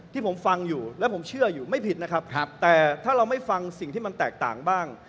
ที่ผมฟังอยู่แล้วผมเชื่ออยู่ไม่ผิดนะครับแต่ถ้าเราไม่ฟังสิ่งที่มันแตกต่างบ้าง